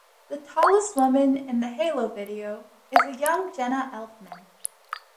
The tallest woman in the "Halo" video is a young Jenna Elfman.